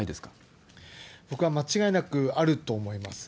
僕は間違いなくあると思います。